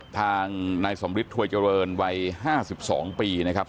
ทางนายสมฤทธวยเจริญวัย๕๒ปีนะครับ